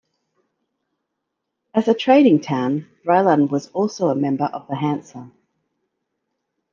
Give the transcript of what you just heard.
As a trading town Brilon was also a member of the Hansa.